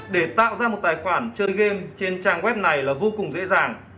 để tạo ra một tài khoản chơi game trên trang web này là vô cùng dễ dàng